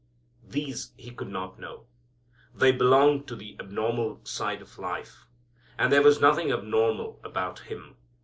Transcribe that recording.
These He could not know. They belong to the abnormal side of life. And there was nothing abnormal about Him.